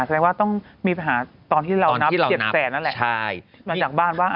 หมายถึงว่าต้องมีปัญหาตอนที่เรานับ๗แสนนั่นแหละ